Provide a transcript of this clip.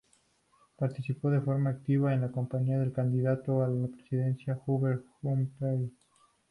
Participó de forma activa en la campaña del candidato a la presidencia Hubert Humphrey.